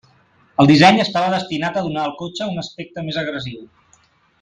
El disseny estava destinat a donar al cotxe un aspecte més agressiu.